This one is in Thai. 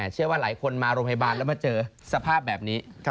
เชื่อว่าหลายคนมาโรงพยาบาลแล้วมาเจอสภาพแบบนี้